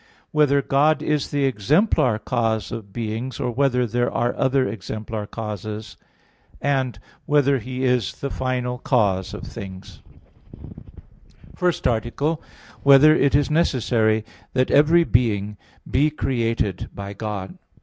(3) Whether God is the exemplar cause of beings or whether there are other exemplar causes? (4) Whether He is the final cause of things? _______________________ FIRST ARTICLE [I, Q. 44, Art. 1] Whether It Is Necessary That Every Being Be Created by God?